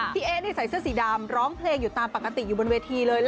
พี่เอ๊ใส่เสื้อสีดำร้องเพลงอยู่ตามปกติอยู่บนเวทีเลย